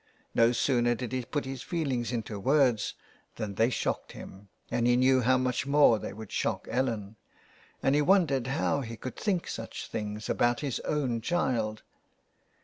No sooner did he put his feelings into words than they shocked him, and he knew how much more they would shock Ellen, and he wondered how he could think such things about his own child.